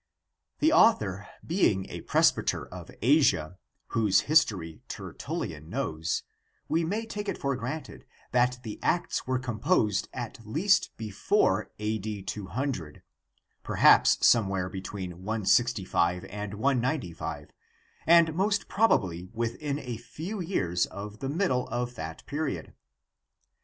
The author being a presbyter of Asia, whose history Ter tullian knows, we may take it for granted that the Acts were composed at least before A.D. 200, perhaps some where between 165 and 195, and most probably within a few years of the middle of that period.